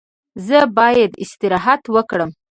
زه باید استراحت وکړم.